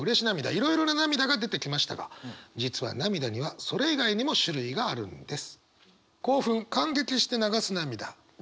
いろいろな涙が出てきましたが実は涙にはそれ以外にも種類があるんです。